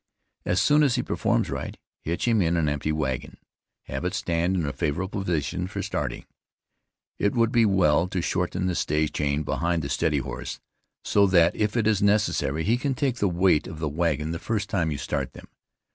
As soon as he performs right, hitch him in an empty wagon; have it stand in a favorable position for starting. It would be well to shorten the stay chain behind the steady horse, so that if it is necessary he can take the weight of the wagon the first time you start them.